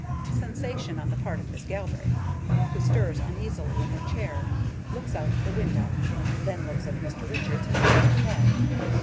Sensation on the part of Miss Galbraith, who stirs uneasily in her chair, looks out of the window, then looks at Mr. Richards, and drops her head.